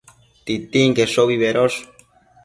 Titinqueshobi bedosh